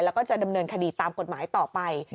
แล้วก็จะดำเนินคดีตามกฎหมายต่อไป